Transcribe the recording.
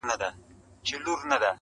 جګه لوړه ګل اندامه تکه سپینه!